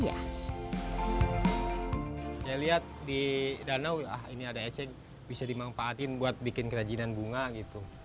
saya lihat di danau ini ada ecek bisa dimanfaatin buat bikin kerajinan bunga gitu